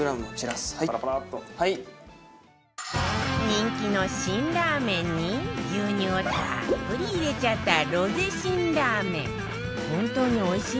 人気の辛ラーメンに牛乳をたっぷり入れちゃったロゼ辛ラーメン